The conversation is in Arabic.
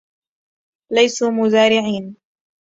ليسوا مزارعين